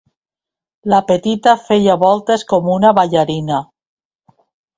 La petita feia voltes com una ballarina.